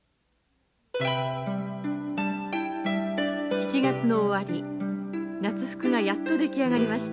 ７月の終わり夏服がやっと出来上がりました。